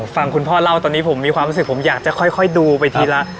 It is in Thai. ฟังคุณพ่อเล่าตอนนี้ผมมีความรู้สึกผมอยากจะค่อยดูไปทีละ